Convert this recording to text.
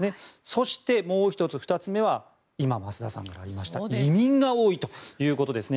そして２つ目は今、増田さんからありました移民が多いということですね。